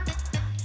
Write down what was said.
soalnya percaya aku